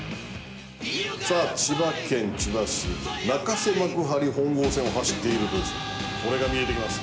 さあ千葉県千葉市中瀬幕張本郷線を走っているとこれが見えてきます。